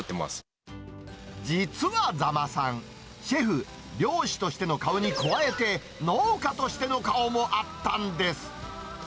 実は座間さん、シェフ、漁師としての顔に加えて、農家としての顔もあったんです。